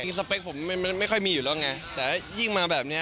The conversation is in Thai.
ดิ่งสเปคผมไม่ค่อยมีอยู่แล้วไงแต่ยิ่งมาแบบนี้